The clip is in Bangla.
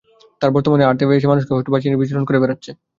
তারা বর্তমানে আর্থে এসে মানুষকে হোস্ট বানিয়ে বিচরণ করে বেড়াচ্ছে।